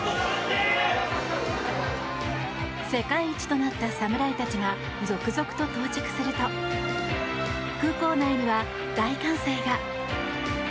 世界一となった侍たちが続々と到着すると空港内には大歓声が。